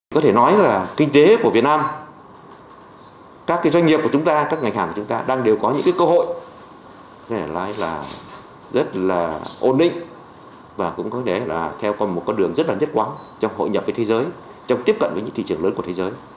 có thể nói là kinh tế của việt nam các doanh nghiệp của chúng ta các ngành hàng của chúng ta đang đều có những cơ hội là rất là ổn định và cũng có thể là theo còn một con đường rất là nhất quán trong hội nhập với thế giới trong tiếp cận với những thị trường lớn của thế giới